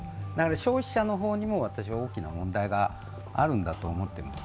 消費者の方にも私は大きな問題があるんだと思っています。